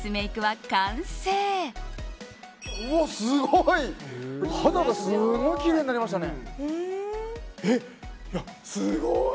肌がすごくきれいになりましたね。